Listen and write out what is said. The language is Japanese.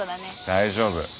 大丈夫。